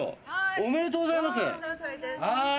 おめでとうございます。